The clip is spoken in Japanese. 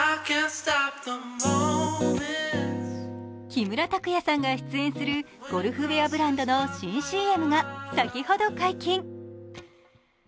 木村拓哉さんが出演するゴルフウエアブランドの新ＣＭが先ほど解禁。